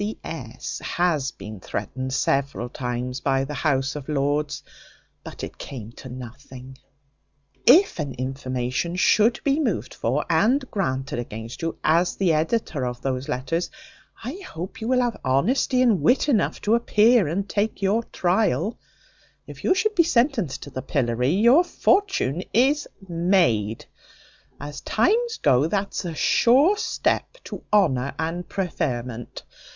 C S has been threatened several times by the House of L ; but it came to nothing. If an information should be moved for, and granted against you, as the editor of those Letters, I hope you will have honesty and wit enough to appear and take your trial If you should be sentenced to the pillory, your fortune is made As times go, that's a sure step to honour and preferment.